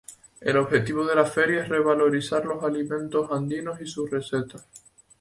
El objetivo de la feria es revalorizar los alimentos andinos y sus recetas.